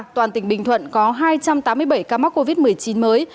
toàn tỉnh bình thuận có hai trăm tám mươi bảy ca mắc covid một mươi chín mới